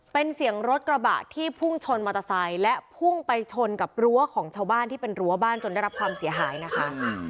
เป็นเสียงรถกระบะที่พุ่งชนมอเตอร์ไซค์และพุ่งไปชนกับรั้วของชาวบ้านที่เป็นรั้วบ้านจนได้รับความเสียหายนะคะ